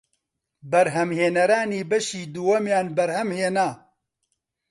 بەرهەمهێنەرانی بەشی دووەمیان بەرهەمهێنا